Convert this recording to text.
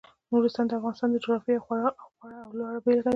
نورستان د افغانستان د جغرافیې یوه خورا غوره او لوړه بېلګه ده.